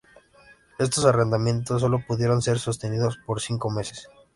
Estos arrendamientos solo pudieron ser sostenidos por cinco meses.